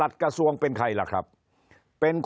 คนในวงการสื่อ๓๐องค์กร